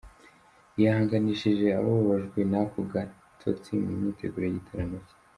Yihanganishije ababajwe n’ako gatotsi mu myiteguro y’igitaramo cye.